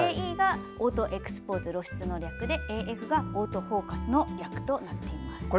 ＡＥがオートエクスポーズ露出の略でＡＦがオートフォーカスの略となっています。